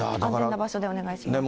安全な場所でお願いします。